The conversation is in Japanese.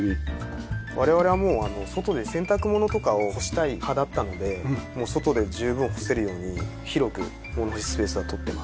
我々は外で洗濯物とかを干したい派だったので外で十分干せるように広く物干しスペースは取っています。